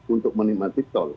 untuk menikmati tol